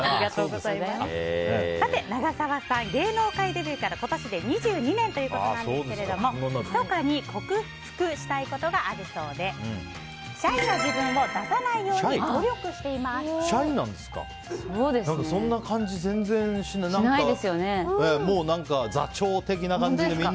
長澤さん、芸能界デビューから今年で２２年ということですがひそかに克服したいことがあるそうでシャイな自分をあまり出さないようにシャイなんですか？